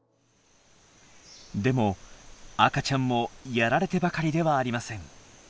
でも赤ちゃんもやられてばかりではありません。